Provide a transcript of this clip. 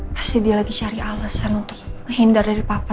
pasti dia lagi cari alasan untuk menghindar dari papa